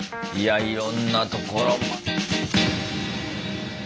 いやいろんなところ。